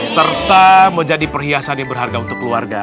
serta menjadi perhiasan yang berharga untuk keluarga